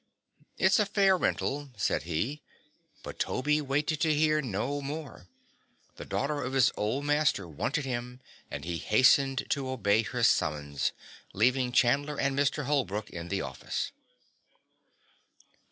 "It's a fair rental," said he; but Toby waited to hear no more. The daughter of his old master wanted him and he hastened to obey her summons, leaving Chandler and Mr. Holbrook in the office.